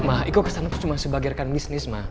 ma iko kesana itu cuma sebagai rekan bisnis ma